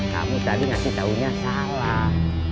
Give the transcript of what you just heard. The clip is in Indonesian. kamu tadi ngasih tahunya salah